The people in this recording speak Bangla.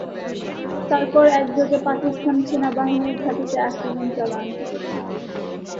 তারপর একযোগে পাকিস্তান সেনাবাহিনীর ঘাঁটিতে আক্রমণ চালান।